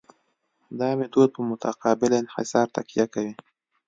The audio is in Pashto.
دا میتود په متقابل انحصار تکیه کوي